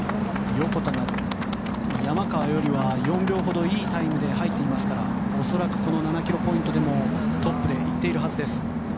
横田が山川よりは４秒ほどいいタイムで入っていますから恐らく７ｋｍポイントでもトップで行っているはずです。